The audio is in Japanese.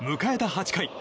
８回。